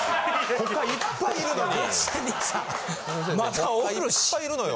他いっぱいいるのよ。